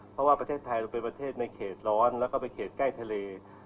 เพราะว่าประเทศไทยเราเป็นประเทศในเขตร้อนแล้วก็เป็นเขตใกล้ทะเล